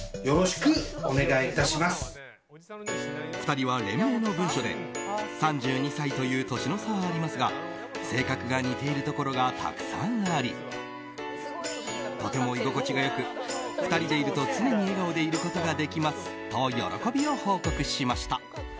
２人は連名の文書で３２歳という年の差はありますが性格が似ているところがたくさんありとても居心地が良く２人でいると常に笑顔でいることができますと喜びを報告しました。